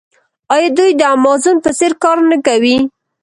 آیا دوی د امازون په څیر کار نه کوي؟